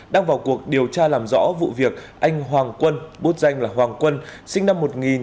đang vào cuộc điều tra làm rõ vụ việc anh hoàng quân bốt danh là hoàng quân sinh năm một nghìn chín trăm tám mươi